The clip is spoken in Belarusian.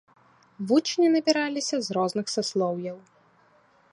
Вучні набіраліся з розных саслоўяў.